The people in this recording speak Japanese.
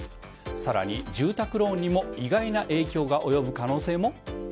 更に、住宅ローンにも意外な影響が及ぶ可能性も。